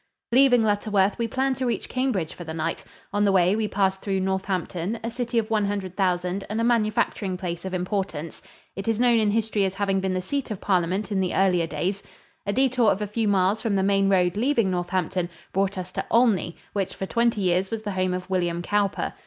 Leaving Lutterworth, we planned to reach Cambridge for the night. On the way we passed through Northampton, a city of one hundred thousand and a manufacturing place of importance. It is known in history as having been the seat of Parliament in the earlier days. A detour of a few miles from the main road leaving Northampton brought us to Olney, which for twenty years was the home of William Cowper.